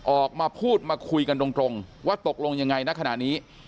ออกมาพูดมาคุยกันตรงว่าตกลงยังไงณขณะนี้